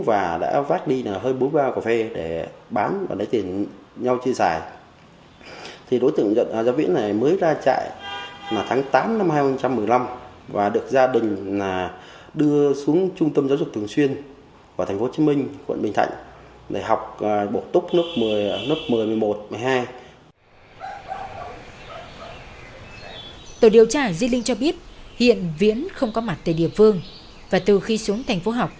và từ khi xuống trường hà gia viễn đã được đưa xuống trung tâm giáo dục thường xuyên của thành phố hồ chí minh quận bình thạnh